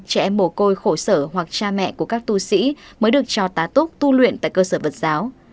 trẻ em bồ côi khổ sở hoặc cha mẹ của các tu sĩ mới được cho tá túc tu luyện tại cơ sở phật giáo